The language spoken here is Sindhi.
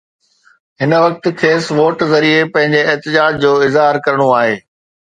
هن وقت کيس ووٽ ذريعي پنهنجي احتجاج جو اظهار ڪرڻو آهي.